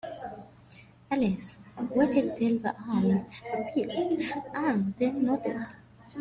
Alice waited till the eyes appeared, and then nodded.